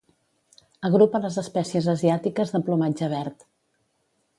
Agrupa les espècies asiàtiques de plomatge verd.